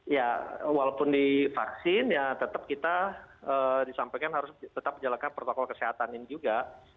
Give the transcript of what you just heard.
ya walaupun divaksin ya tetap kita disampaikan harus tetap menjalankan protokol kesehatan ini juga